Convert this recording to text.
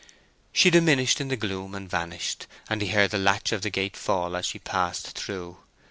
She diminished in the gloom, and vanished, and he heard the latch of the gate fall as she passed through.